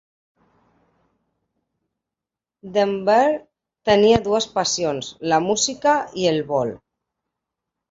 Denver tenia dues passions: la música i el vol.